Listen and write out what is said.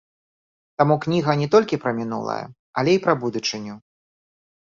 Таму кніга не толькі пра мінулае, але і пра будучыню.